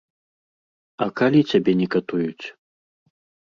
А калі цябе не катуюць?